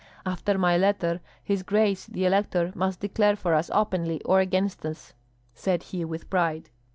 "After my letter, his grace the elector must declare for us openly or against us," said he, with pride.